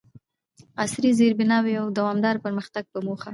عصري زیربناوو او دوامداره پرمختګ په موخه،